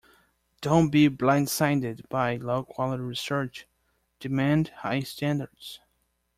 Don't be blindsided by low-quality research, demand high standards.